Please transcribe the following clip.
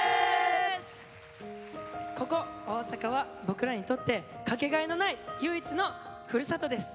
ここ大阪は僕らにとってかけがえのない唯一のふるさとです。